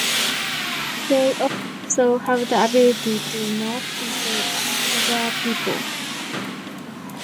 They also have the ability to morph into other people.